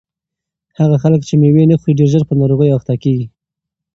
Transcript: هغه خلک چې مېوې نه خوري ډېر ژر په ناروغیو اخته کیږي.